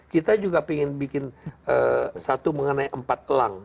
kita juga ingin bikin satu mengenai empat elang